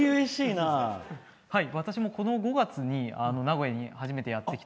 私も、この５月に名古屋に初めてやって来て。